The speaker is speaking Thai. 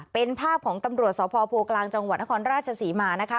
เป็นภาพของตำรวจสพโพกลางจังหวัดนครราชศรีมานะคะ